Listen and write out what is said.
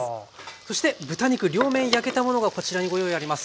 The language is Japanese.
そして豚肉両面焼けたものがこちらにご用意あります。